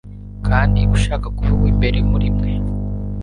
kandi ushaka kuba uw'imbere muri mwe